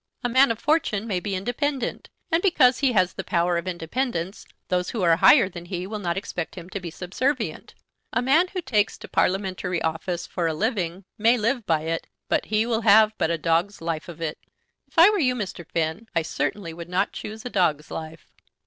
A man of fortune may be independent; and because he has the power of independence those who are higher than he will not expect him to be subservient. A man who takes to parliamentary office for a living may live by it, but he will have but a dog's life of it." "If I were you, Mr. Finn, I certainly would not choose a dog's life."